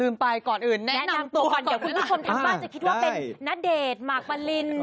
อย่าคิดว่าเป็นน่าเดชน์มากมะริน